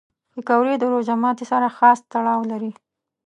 پکورې د روژه ماتي سره خاص تړاو لري